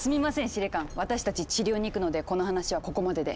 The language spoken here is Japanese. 司令官私たち治療に行くのでこの話はここまでで。